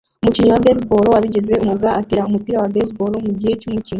Umukinnyi wa baseball wabigize umwuga atera umupira wa baseball mugihe cyumukino